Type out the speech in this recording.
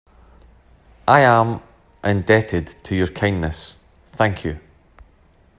I am indebted to your kindness, thank you!.